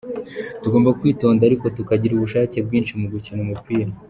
Tugomba kwitonda ariko tukagira ubushake bwinshi bwo gukina umupira.